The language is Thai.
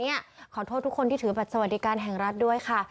ขอโทษทุกคนที่ถือบัตรสวัสดิการแห่งรัฐด้วยค่ะ